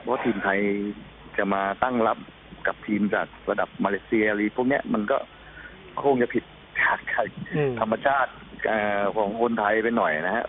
เพราะทีมไทยจะมาตั้งรับกับทีมจากระดับมาเลเซียอะไรพวกนี้มันก็คงจะผิดขาดใครธรรมชาติของคนไทยไปหน่อยนะครับ